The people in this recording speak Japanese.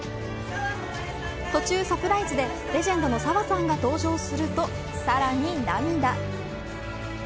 途中サプライズでレジェンドの澤さんが登場するとさらに涙。